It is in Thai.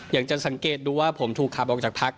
อยากจะสังเกตดูว่าผมถูกขับออกจากพัก